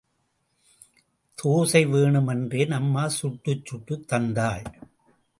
தோசை வேணும் என்றேன்—அம்மா சுட்டுச் சுட்டுத் தங்தாள்.